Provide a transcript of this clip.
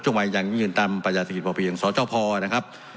จะจัดจนและพนาศาสนงค์อาทิตย์ประกอบปีอ่างสตราจ้าพอ